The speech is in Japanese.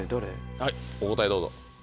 はいお答えどうぞ。